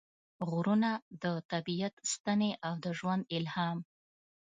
غرونه – د طبیعت ستنې او د ژوند الهام